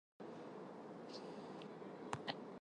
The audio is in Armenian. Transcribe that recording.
Երբ սպառվել է յուղը, ավարտվել է և աշխատանքային օրը։